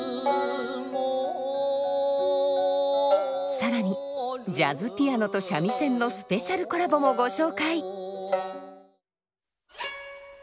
更にジャズピアノと三味線のスペシャルコラボもご紹介！